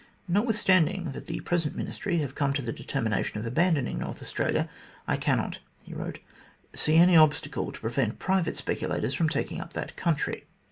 "Notwithstanding that the present Ministry have come to the determination of abandoning North Australia, I cannot," he wrote, "see any obstacle to prevent private speculators from taking up that country."